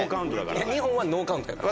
２本はノーカウントやから。